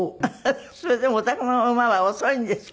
それでもおたくの馬は遅いんですか？